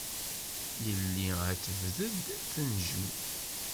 Yelli ad tebded tenjem.